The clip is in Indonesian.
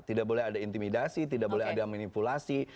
tidak boleh ada intimidasi tidak boleh ada manipulasi